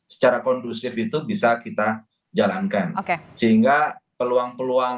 secara kondusif itu bisa kita jalankan sehingga peluang peluang